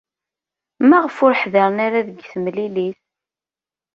Maɣef ur ḥdiṛen ara deg temlilit?